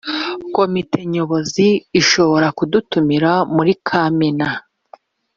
komite nyobozi ishobora kudutumira muri kamena